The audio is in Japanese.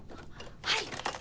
はい！